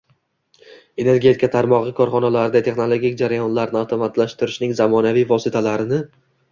energetika tarmog‘i korxonalarida texnologik jarayonlarni avtomatlashtirishning zamonaviy vositalarini